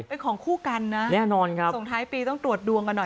เป็นของคู่กันนะแน่นอนครับส่งท้ายปีต้องตรวจดวงกันหน่อย